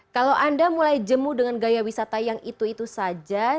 kalau anda mulai jemuh dengan gaya wisata yang itu itu saja